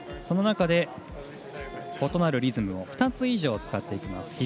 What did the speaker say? その中で、異なるリズムを２つ以上使っていきます。